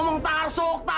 gjak mana heran